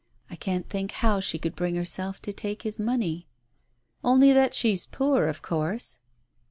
"I can't think how she could bring herself to take his money ?" "Only that she's poor, of course."